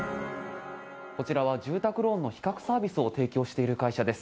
こちらは住宅ローンの比較サービスを提供している会社です。